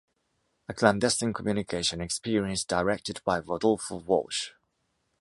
“A clandestine communication experience directed by Rodolfo Walsh".